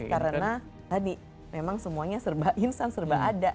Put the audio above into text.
karena tadi memang semuanya serba instan serba ada